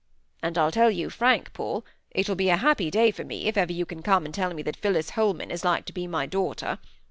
And I'll tell you frank, Paul, it will be a happy day for me if ever you can come and tell me that Phillis Holman is like to be my daughter.